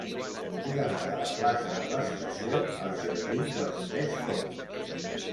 He d'anar de la plaça de l'Estació als jardins dels Tres Tombs.